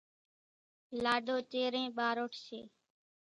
لاڏو چيرين ٻاروٺشيَ۔